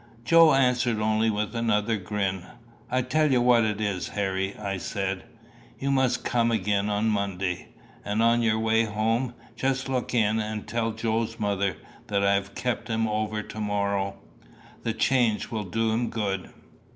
Joe answered only with another grin. "I tell you what it is, Harry," I said "you must come again on Monday. And on your way home, just look in and tell Joe's mother that I have kept him over to morrow. The change will do him good."